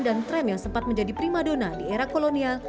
dan trem yang sempat menjadi primadona di era kolonial